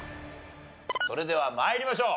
それでは参りましょう。